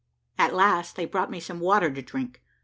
At last they brought me some water to drink.